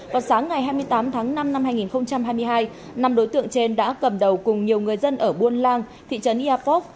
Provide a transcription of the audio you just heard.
vào sáng ngày hai mươi tám tháng năm năm hai nghìn hai mươi hai năm đối tượng trên đã cầm đầu cùng nhiều người dân ở buôn lang thị trấn iapop